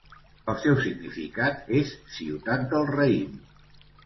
El seu significat és ciutat del raïm.